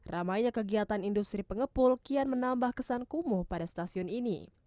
ramainya kegiatan industri pengepul kian menambah kesan kumuh pada stasiun ini